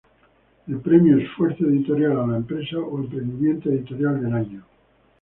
El premio Esfuerzo Editorial a la empresa o emprendimiento editorial del año.